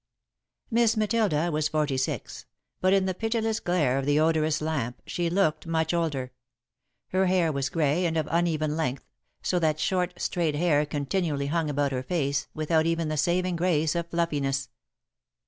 Miss Matilda was forty six, but, in the pitiless glare of the odorous lamp, she looked much older. Her hair was grey and of uneven length, so that short, straight hair continually hung about her face, without even the saving grace of fluffiness.